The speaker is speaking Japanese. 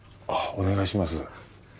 あっお願いします。